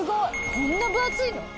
こんな分厚いの？